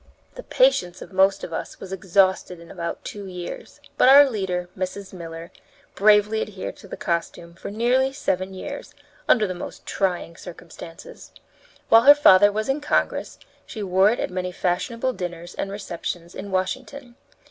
The patience of most of us was exhausted in about two years; but our leader, Mrs. Miller, bravely adhered to the costume for nearly seven years, under the most trying circumstances. While her father was in Congress, she wore it at many fashionable dinners and receptions in Washington.